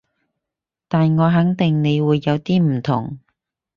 但我肯定你會有啲唔同